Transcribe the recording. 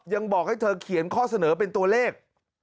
ยังบอกให้เธอเขียนข้อเสนอเป็นตัวเลข